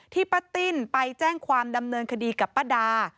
ป้าติ้นไปแจ้งความดำเนินคดีกับป้าดา